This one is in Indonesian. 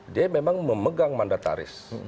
dia memang memegang mandataris